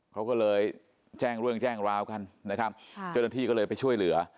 เขาก็เลยแจ้งเรื่องแจ้งราวกันนะครับเจ้าหน้าที่ก็เลยไปช่วยเหลือ